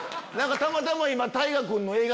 たまたま今。